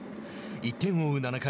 １点を追う７回。